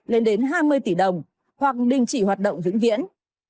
lên đến hai mươi triệu đồng hoặc đình chỉ hoạt động dưỡng viễn